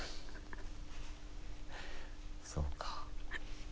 そうか。